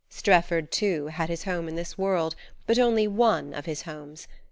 Strefford, too, had his home in this world, but only one of his homes.